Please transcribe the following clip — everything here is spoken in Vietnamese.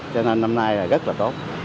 cho nên năm nay là rất là tốt